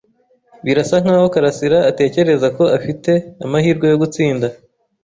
Birasa nkaho Karasiraatatekereza ko afite amahirwe yo gutsinda.